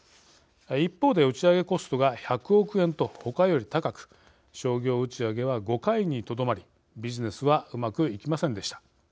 一方で打ち上げコストが１００億円と他より高く商業打ち上げは５回にとどまりビジネスはうまくいきませんでした。